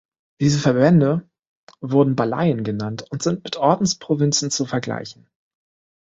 Diese Verbände wurden Balleien genannt und sind mit Ordensprovinzen zu vergleichen.